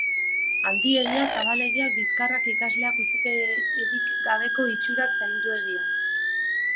Handiegia, zabalegiak bizkarrak, ikasle utzikeriarik gabeko itxura zainduegia.